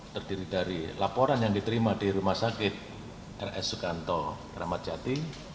terdiri dari laporan yang diterima di rumah sakit rs sukanto ramadjati